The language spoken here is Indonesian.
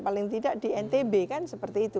paling tidak di ntb kan seperti itu